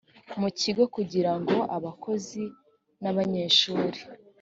mu kigo kugira ngo abakozi n abanyeshuri